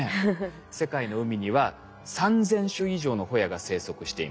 世界の海には３，０００種以上のホヤが生息しています。